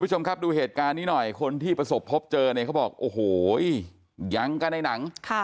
คุณผู้ชมครับดูเหตุการณ์นี้หน่อยคนที่ประสบพบเจอเนี่ยเขาบอกโอ้โหยังกันในหนัง